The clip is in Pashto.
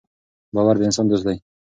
باور د انسان دوست دی.